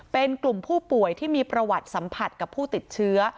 เป็นกลุ่มผู้ป่วยที่มีประวัติสัมผัสกับผู้ติดเชื้อ